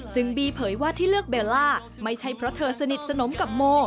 ซึ่งบีเผยว่าที่เลือกเบลล่าไม่ใช่เพราะเธอสนิทสนมกับโม